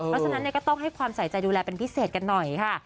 เพราะฉะนั้นก็ต้องให้ความใส่ใจดูแลเป็นพิเศษกันหน่อยค่ะ